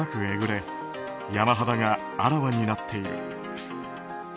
えぐれ山肌があらわになっている。